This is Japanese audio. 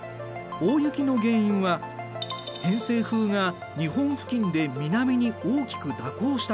大雪の原因は偏西風が日本付近で南に大きく蛇行したこと。